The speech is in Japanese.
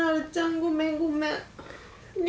ごめんごめん。ね？